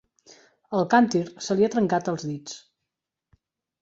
El càntir se li ha trencat als dits.